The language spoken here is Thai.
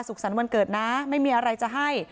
สรรค์วันเกิดนะไม่มีอะไรจะให้